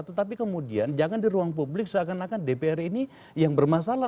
tetapi kemudian jangan di ruang publik seakan akan dpr ini yang bermasalah